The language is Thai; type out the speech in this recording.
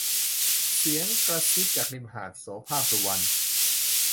เสียงกระซิบจากริมหาด - โสภาค สุวรรณ